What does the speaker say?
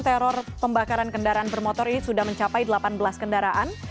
teror pembakaran kendaraan bermotor ini sudah mencapai delapan belas kendaraan